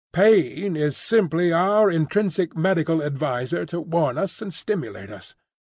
Pain is simply our intrinsic medical adviser to warn us and stimulate us.